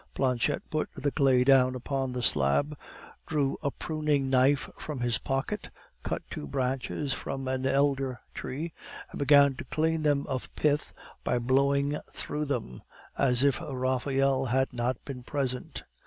Planchette put the clay down upon the slab, drew a pruning knife from his pocket, cut two branches from an elder tree, and began to clean them of pith by blowing through them, as if Raphael had not been present.